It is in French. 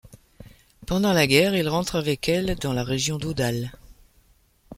Pendant la guerre, il rentre avec elle dans la région d'Odal.